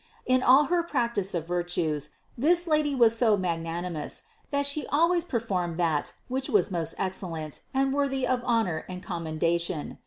In all her practice of virtues this Lady was so magnanimous, that She always performed that which was most excellent and worthy of honor and commenda tion.